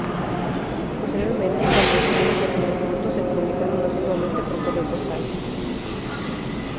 Posteriormente, cuando decidieron continuar juntos, se comunicaron asiduamente por correo postal.